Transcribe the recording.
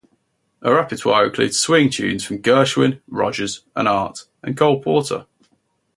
Her repertoire included swing tunes from Gershwin, Rodgers and Hart, and Cole Porter.